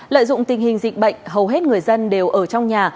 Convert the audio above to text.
lợi dụng tình hình dịch bệnh hầu hết người dân đều ở trong nhà